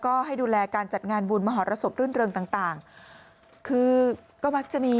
ก็ให้ดูแลการจัดงานบุญมหรสบรื่นเริงต่างต่างคือก็มักจะมี